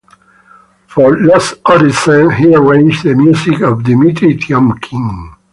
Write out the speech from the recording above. For "Lost Horizon", he arranged the music of Dimitri Tiomkin.